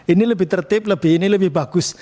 ini lebih tertib lebih ini lebih bagus